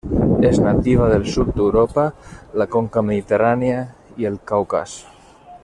És nativa del sud d'Europa, la conca mediterrània i el Caucas.